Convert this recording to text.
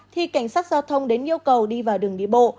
thì cảnh sát giao thông đến yêu cầu đi vào đường đi bộ